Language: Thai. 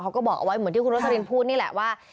เขาก็บอกเอาไว้เหมือนที่คุณโรสลินพูดนี่แหละว่า